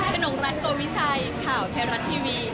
นกรัฐโกวิชัยข่าวไทยรัฐทีวี